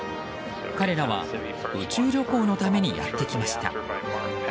彼らは宇宙旅行のためにやってきました。